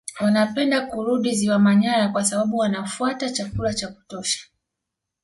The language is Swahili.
Wanapenda kurudi Ziwa Manyara kwa sababu wanafuata chakula cha kutosha